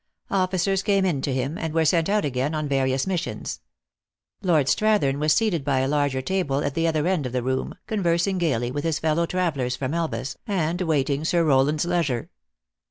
Officers came in to him, and were sent out again on various missions. Lord Strathern was seated by a larger table at the other end of the room, conversing gaily with his fellow travelers from Elvas, and waiting Sir Rowland s leisure.